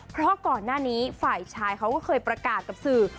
เพราะก่อนหน้านี้ฝ่ายชายเขาก็เคยประกาศกับสื่อ